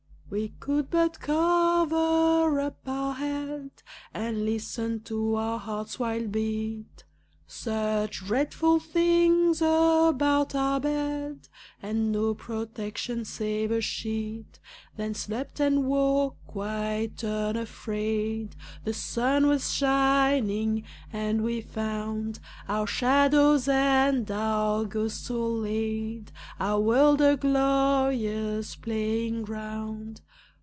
We could but cover up our head, And listen to our heart's wild beat Such dreadful things about our bed, And no protection save a sheet! Then slept, and woke quite unafraid. The sun was shining, and we found Our shadows and our ghosts all laid, Our world a glorious playing ground.